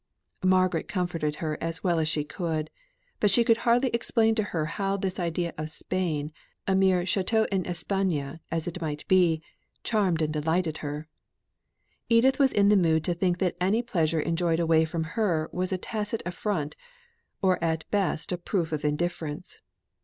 Margaret comforted her as well as she could, but she could hardly explain to her how this idea of Spain, mere Château en Espagne as it might be, charmed and delighted her. Edith was in the mood to think that any pleasure enjoyed away from her was a tacit affront, or at best a proof of indifference.